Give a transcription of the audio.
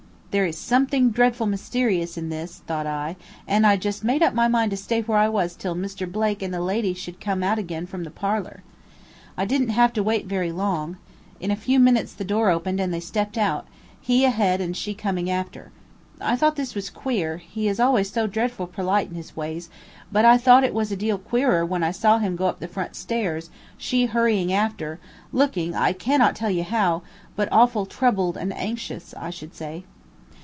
'There is something dreadful mysterious in this,' thought I, and I just made up my mind to stay where I was till Mr. Blake and the lady should come out again from the parlor. I did'nt have to wait very long. In a few minutes the door opened and they stepped out, he ahead and she coming after. I thought this was queer, he is always so dreadful perlite in his ways, but I thought it was a deal queerer when I saw him go up the front stairs, she hurrying after, looking I cannot tell you how, but awful troubled and anxious, I should say.